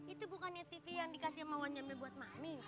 itu bukannya tv yang dikasih sama wan jamil buat mami